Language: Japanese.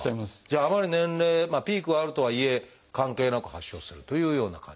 じゃああまり年齢ピークはあるとはいえ関係なく発症するというような感じ。